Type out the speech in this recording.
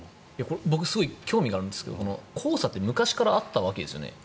僕すごい興味があるんですけど黄砂って昔からあったわけですよね。